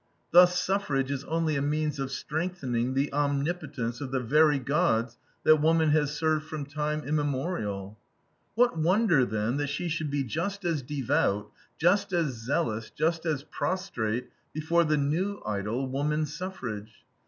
Thus suffrage is only a means of strengthening the omnipotence of the very Gods that woman has served from time immemorial. What wonder, then, that she should be just as devout, just as zealous, just as prostrate before the new idol, woman suffrage.